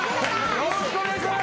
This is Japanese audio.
よろしくお願いします。